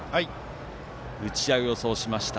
打ち合いを予想しました。